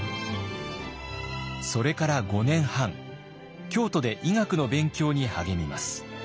それから５年半京都で医学の勉強に励みます。